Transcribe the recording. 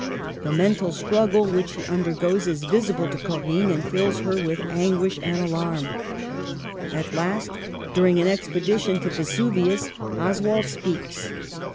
The mental ' struggle which he undergoes is visible to Corinne and fills her with anguish and alarm. At last, during an expedition to Vesuvius, Oswald speaks.